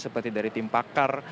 seperti dari tim pakar